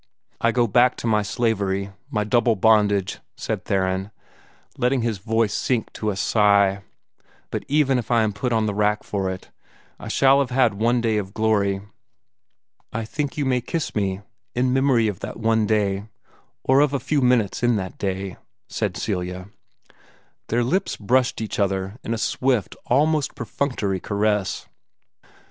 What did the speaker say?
"I go back to my slavery my double bondage," said Theron, letting his voice sink to a sigh. "But even if I am put on the rack for it, I shall have had one day of glory." "I think you may kiss me, in memory of that one day or of a few minutes in that day," said Celia. Their lips brushed each other in a swift, almost perfunctory caress.